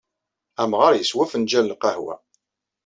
Amɣar yeswa afenǧal n lqahwa.